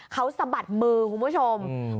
เขาสะบัดมือคุณผู้ชม